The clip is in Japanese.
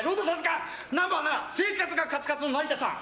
ナンバー７生活がカツカツのナリタさん。